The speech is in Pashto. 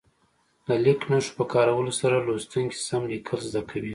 د لیک نښو په کارولو سره لوستونکي سم لیکل زده کوي.